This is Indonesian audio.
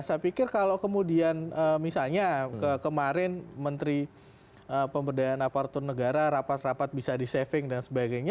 saya pikir kalau kemudian misalnya kemarin menteri pemberdayaan aparatur negara rapat rapat bisa di saving dan sebagainya